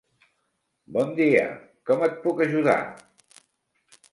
Bon dia, com et puc ajudar?